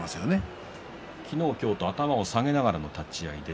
昨日、今日と頭を下げながらの立ち合いです。